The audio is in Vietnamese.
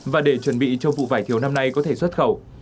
và để chuẩn bị cho vụ vải thiều năm nay có thể xuất khẩu